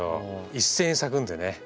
一斉に咲くんでね